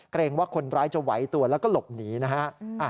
เกรงว่าคนร้ายจะไหวตัวแล้วก็หลบหนีนะฮะ